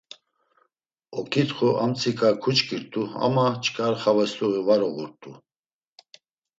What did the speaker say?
Oǩit̆xu amtsika kuçǩirt̆u ama ç̌kar xavesluği var uğurt̆t̆u.